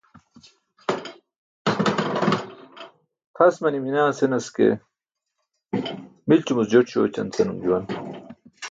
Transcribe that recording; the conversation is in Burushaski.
"tʰas manimi naa" senas ke "ye milcumuc jooṭiśo oćan" senum juwan.